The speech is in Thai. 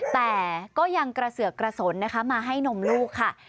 แต่ก็ยังกระเสือกกระสนนะคะมาให้นมลูกค่ะ